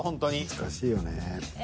難しいよねぇ。